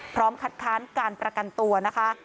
พร้อมคัดค้านการประกันตัวนะคะ